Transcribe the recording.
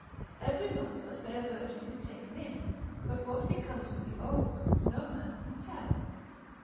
Every month a fair virgin is taken in; but what becomes of the old, no man can tell.